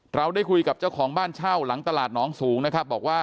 เราได้คุยกับเจ้าของบ้านเช่าหลังตลาดหนองสูงนะครับบอกว่า